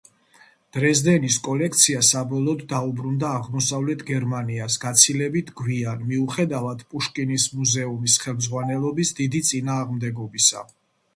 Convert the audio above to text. დრეზდენის კოლექცია საბოლოოდ დაუბრუნდა აღმოსავლეთ გერმანიას გაცილებით გვიან, მიუხედავად პუშკინის მუზეუმის ხელმძღვანელობის დიდი წინააღმდეგობისა.